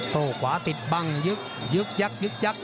โต้ขวาติดบังยึกยึกยักยึกยักษ